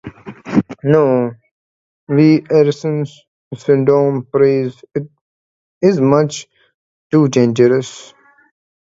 No, we Erisians seldom pray, it is much too dangerous.